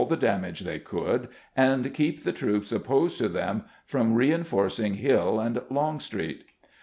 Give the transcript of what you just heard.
the damage they could, and keep the troops opposed to them from reinforcing Hill and Longstreet.